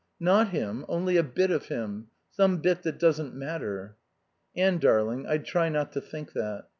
Not him. Only a bit of him. Some bit that doesn't matter." "Anne darling, I'd try not to think that."